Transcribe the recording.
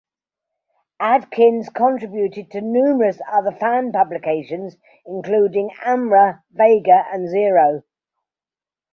Adkins contributed to numerous other fan publications, including "Amra", "Vega" and "Xero".